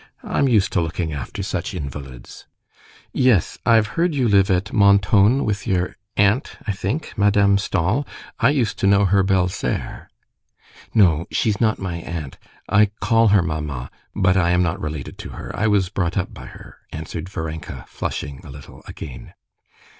I'm used to looking after such invalids." "Yes, I've heard you live at Mentone with your aunt—I think—Madame Stahl: I used to know her belle sœur." "No, she's not my aunt. I call her mamma, but I am not related to her; I was brought up by her," answered Varenka, flushing a little again.